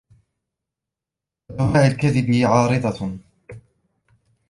وَدَوَاعِي الْكَذِبِ عَارِضَةٌ